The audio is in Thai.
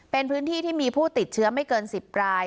เป็นพื้นที่ที่มีผู้ติดเชื้อไม่เกิน๑๐ราย